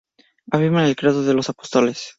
Afirman el Credo de los Apóstoles.